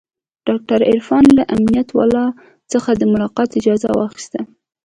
ډاکتر عرفان له امنيت والاو څخه د ملاقات اجازه واخيسته.